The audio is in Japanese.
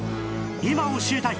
今教えたい！